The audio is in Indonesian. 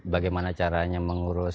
bagaimana caranya mengurus